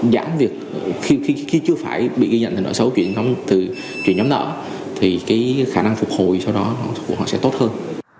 giảm việc khi chưa phải bị ghi nhận thành nợ xấu chuyển nhóm nợ thì cái khả năng phục hồi sau đó họ sẽ tốt hơn